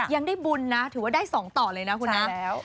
ยังได้บุญนะถือว่าได้๒ต่อเลยนะคุณนะ